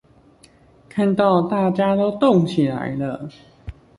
看到大家都動起來了